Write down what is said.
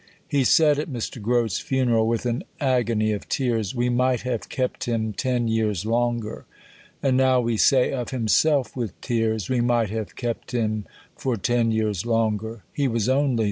He said at Mr. Grote's funeral, with an agony of tears, "We might have kept him 10 years longer." And now we say of himself with tears "We might have kept him for 10 years longer." He was only 67.